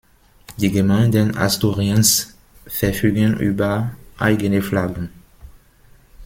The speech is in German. Die Gemeinden Asturiens verfügen über eigene Flaggen.